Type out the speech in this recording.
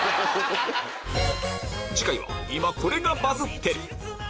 次回は「今これがバズってる！」